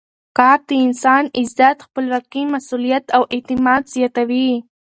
کار د انسان عزت، خپلواکي، مسؤلیت او اعتماد زیاتوي.